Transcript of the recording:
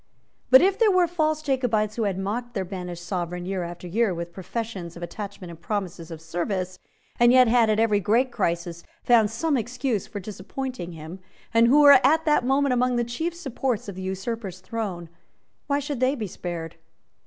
But if there were false Jacobites who had mocked their banished Sovereign year after year with professions of attachment and promises of service, and yet had, at every great crisis, found some excuse for disappointing him, and who were at that moment among the chief supports of the usurper's throne, why should they be spared?